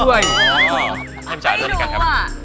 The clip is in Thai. ไม่รู้อะ